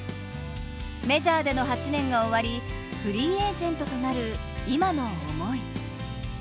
メジャーでの８年が終わり、フリーエージェントとなる今の思い。